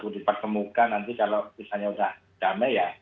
dipertemukan nanti kalau misalnya sudah damai ya